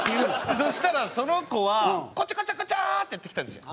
そしたらその子はこちょこちょこちょってやってきたんですよ。